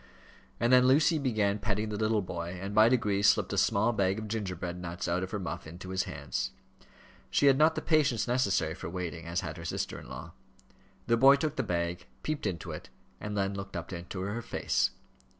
And then Lucy began petting the little boy, and by degrees slipped a small bag of gingerbread nuts out of her muff into his hands. She had not the patience necessary for waiting, as had her sister in law. The boy took the bag, peeped into it, and then looked up into her face.